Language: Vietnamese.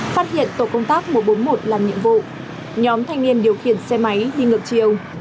phát hiện tổ công tác một trăm bốn mươi một làm nhiệm vụ nhóm thanh niên điều khiển xe máy đi ngược chiều